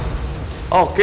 oke gue bakal pergi